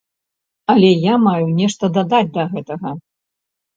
Але я маю нешта дадаць да гэтага.